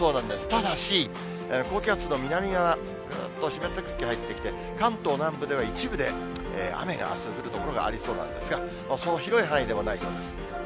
ただし、高気圧の南側、ぐっと湿った空気が入ってきて、関東南部では一部で雨があす降る所がありそうなんですが、そう広い範囲でもないようです。